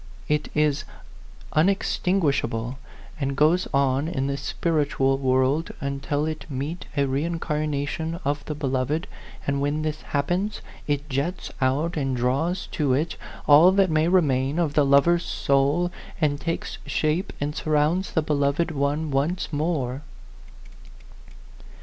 It is unex tinguishable, and goes on in the spiritual world until it meet a reincarnation of the beloved; and when this happens, it jets out and draws to it all that may remain of that lover's soul, and takes shape and surrounds the beloved one once more."